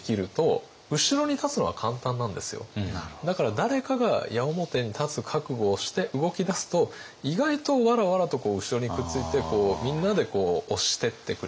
でもだから誰かが矢面に立つ覚悟をして動き出すと意外とわらわらと後ろにくっついてみんなで押してってくれるっていう。